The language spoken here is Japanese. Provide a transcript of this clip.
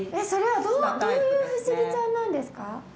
それはどういう不思議ちゃんなんですか？